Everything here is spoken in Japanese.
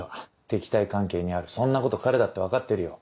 敵対関係にあるそんなこと彼だって分かってるよ。